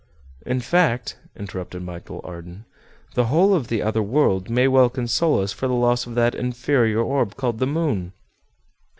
"In fact," interrupted Michel Ardan, "the whole of the other world may well console us for the loss of that inferior orb called the moon!"